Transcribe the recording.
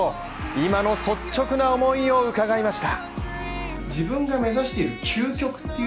今の率直な思いを伺いました。